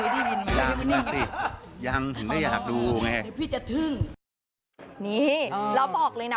ถามว่าเคยได้ยินพี่เท้งคุณร้องเพลง